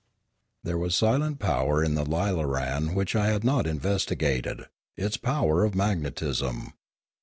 There was a silent power in the lilaran which I had not investigated: its power of magnetism.